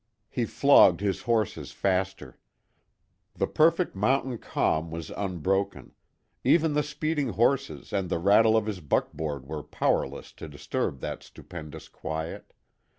He flogged his horses faster. The perfect mountain calm was unbroken; even the speeding horses and the rattle of his buckboard were powerless to disturb that stupendous quiet.